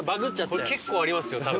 結構ありますよ多分。